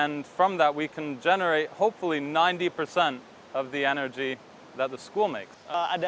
dari itu kami bisa menghasilkan sembilan puluh persen energi yang dilakukan oleh sekolah